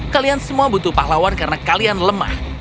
kalian semua butuh pahlawan karena kalian lemah